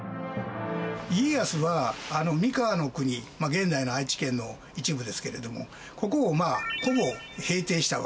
家康は三河国現在の愛知県の一部ですけれどもここをほぼ平定したわけですね。